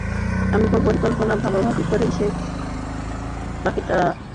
আমি পরিকল্পনা ভাগাভাগি করেই শেষ, বাকিটা তাঁরা অন্ধবিশ্বাসে এগিয়ে নিয়ে চলেন।